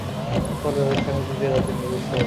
আফতাব আলী পাকিস্তানের তৃতীয় জাতীয় পরিষদের সদস্য ছিলেন।